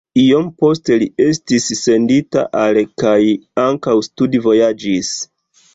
Iom poste li estis sendita al kaj ankaŭ studvojaĝis.